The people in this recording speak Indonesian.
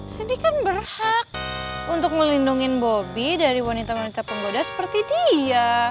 sedih kan berhak untuk melindungi bobi dari wanita wanita penggoda seperti dia